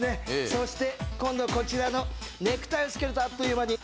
そして今度はこちらのネクタイを付けるとあっという間に。